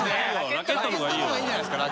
ラケットのほうがいいよ。